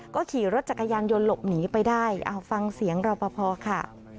ก็ขี่รถจักรยานยนต์หลบหนีไปได้ฟังเสียงรอปภค่ะ